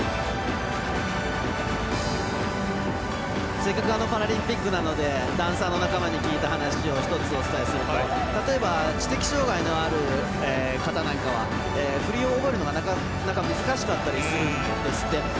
せっかくパラリンピックなのでダンサーの仲間に聞いた話を１つお伝えすると例えば、知的障がいのある方なんかはフリを覚えるのがなかなか難しかったりするんですって。